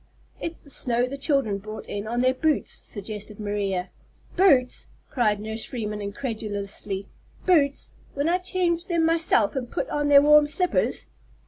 "It's the snow the children brought in on their boots," suggested Maria. "Boots!" cried Nurse Freeman incredulously. "Boots! when I changed them myself and put on their warm slippers!"